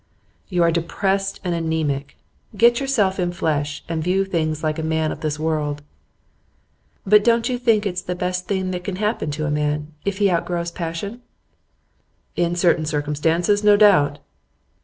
'You are depressed and anaemic. Get yourself in flesh, and view things like a man of this world.' 'But don't you think it the best thing that can happen to a man if he outgrows passion?' 'In certain circumstances, no doubt.